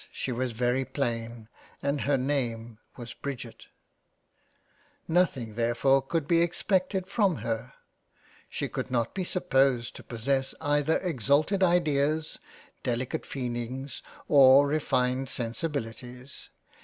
she was very plain and her name was Bridget Nothing therfore could be expected from her — she could not be supposed to possess either exalted Ideas, Delicate Feelings or refined Sensibilities —